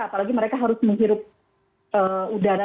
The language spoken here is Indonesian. apalagi mereka harus menghirup udara